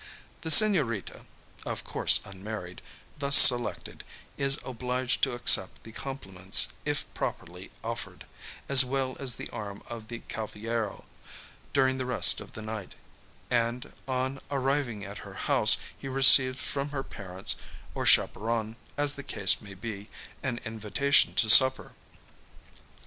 The señorita of course unmarried thus selected, is obliged to accept the compliment if properly offered, as well as the arm of the cavallero during the rest of the night; and, on arriving at her house, he receives from her parents, or chaperon, as the case may be, an invitation to supper.